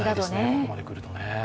ここまでくるとね。